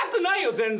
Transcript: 全然。